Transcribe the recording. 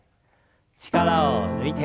力を抜いて。